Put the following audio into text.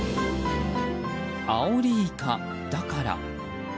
アオリイカだから。